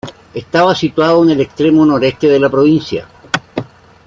Estaba situado en el extremo noreste de la provincia.